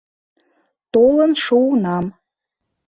— Толын шуынам...